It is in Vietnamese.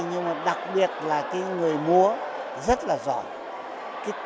nhưng mà đặc biệt là người múa rất là giỏi